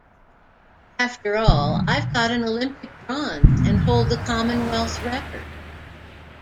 After all I've got an Olympic bronze and hold the Commonwealth record.